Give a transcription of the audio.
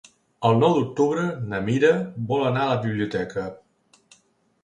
El nou d'octubre na Mira vol anar a la biblioteca.